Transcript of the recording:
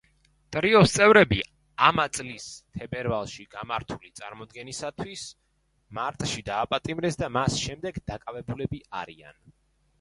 ტრიოს წევრები ამა წლის თებერვალში გამართული წარმოდგენისთვის მარტში დააპატიმრეს და მას შემდეგ დაკავებული არიან.